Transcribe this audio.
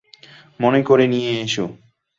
মনে করে নিয়ে এসো।